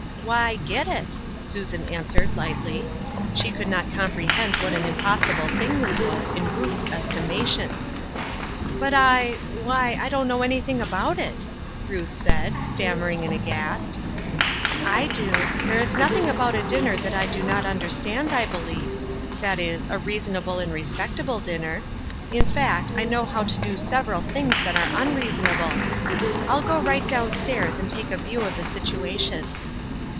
" Why, get it," Susan answered, lightly. She could not comprehend what an impossible thing this was in Ruth's estimation. "But I — why, I know nothing about it," Ruth said, stammering and aghast. " I do. There is nothing about a dinner that I do not understand, I believe — that is, a rea sonable and respectable dinner. In fact, I know how TO do several things that are unreasona})le. 190 Ruth U7'skine's Crosses, I'll go right down stairs and take a view of the situation."